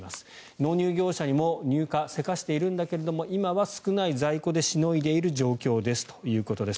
納入業者にも入荷、せかしているんだけれども今は少ない在庫でしのいでいる状況ですということです。